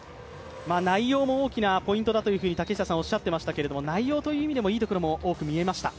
内容も大きなポイントだとおっしゃっていましたけど内容という意味でも、いいところも多く見えました。